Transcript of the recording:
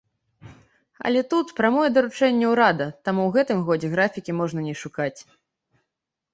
Але тут прамое даручэнне урада, таму ў гэтым годзе графікі можна не шукаць.